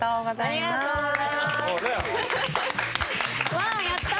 わあやったー！